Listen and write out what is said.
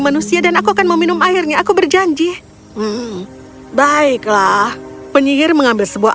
manusia dan aku akan meminum airnya aku berjanji baiklah penyihir mengambil sebuah